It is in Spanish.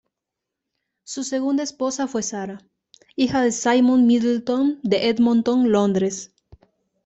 Su segunda esposa fue Sarah, hija de Simon Middleton, de Edmonton, Londres.